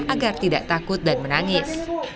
agar tidak takut dan menangis